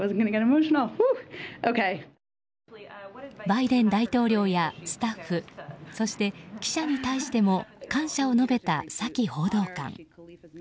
バイデン大統領やスタッフそして記者に対しても感謝を述べたサキ報道官。